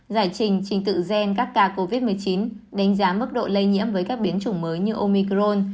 giải trình trình tự gen các ca covid một mươi chín đánh giá mức độ lây nhiễm với các biến chủng mới như omicrone